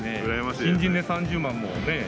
新人で３０万もね。